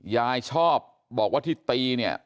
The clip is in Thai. ยายชอบบอกว่าที่ตีเนี่ย